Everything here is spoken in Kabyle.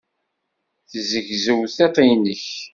Tezzegzew tiṭ-nnek.